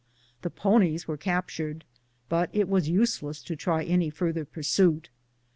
The ponies were captured, but it was useless to try any further pursuit.